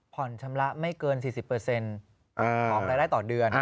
ชำระไม่เกิน๔๐ของรายได้ต่อเดือน